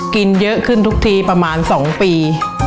กินเยอะขึ้นทุกทีประมาณ๒ปี